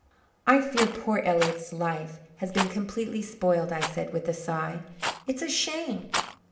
"I fear poor Elliott's life has been completely spoiled," I said, with a sigh. "It's a shame."